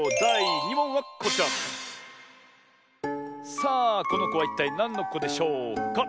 さあこのこはいったいなんのこでしょうか？